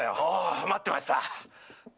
お待ってました！